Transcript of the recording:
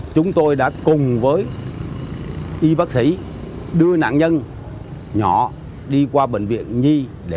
chúng tôi đã cùng với y bác sĩ đưa nạn nhân nhỏ đi qua bệnh viện nhi